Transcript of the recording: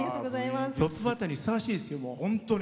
トップバッターにふさわしいですよ。